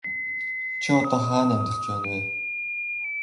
Чи одоо хаана амьдарч байна вэ?